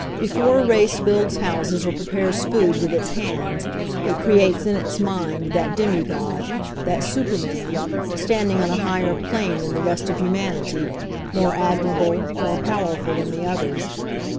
Before a race builds houses or prepares food with its hands, it creates in its mind that demigod, that superman, stand ing on a higher plane than the rest of humanity, more admirable, more powerful than the others.